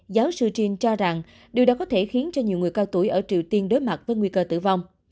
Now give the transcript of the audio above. giáo sư chin cho rằng điều đó có thể khiến cho nhiều người cao tuổi ở triều tiên đối mặt với nguy cơ tử vong